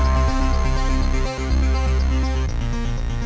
โปรดติดตามตอนต่อไป